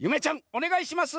おねがいします！